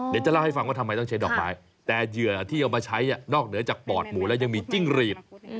เดี๋ยวจะเล่าให้ฟังว่าทำไมต้องใช้ดอกไม้แต่เหยื่อที่เอามาใช้นอกเหนือจากปอดหมูแล้วยังมีจิ้งหรีด